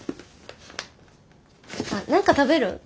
あっ何か食べる？